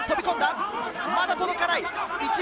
まだ届かない。